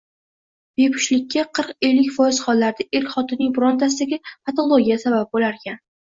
Bepushtlikka qirq-ellik foiz hollarda er-xotinning birontasidagi patologiya sabab bo‘larkan.